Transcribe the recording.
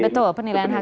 betul penilaian hakim